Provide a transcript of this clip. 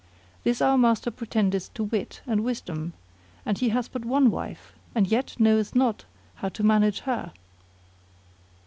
This our master pretendeth to wit and wisdom, and he hath but one wife, and yet knoweth not how to manage her."